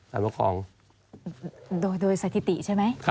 โดยสถิติใช่ไหม